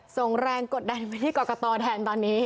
ส่งแรงกดดันไปที่กรกตแทนตอนนี้